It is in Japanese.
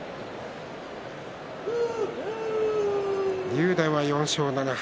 竜電は４勝７敗。